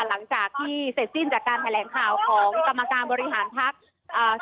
หลังจากที่เสร็จสิ้นจากการแถลงข่าวของกรรมการบริหารภักดิ์